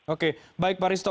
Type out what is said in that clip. oke baik pak risto